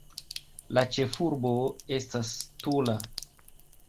La ĉefurbo estas Tula.